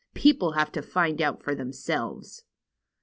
People have to find out for themselves."